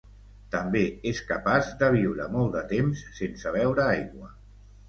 També és capaç de viure molt de temps sense beure aigua.